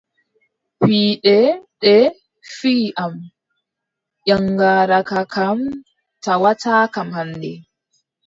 Piiɗe ɗe fiyi am, yaŋgada ka kam tawataakam hannde.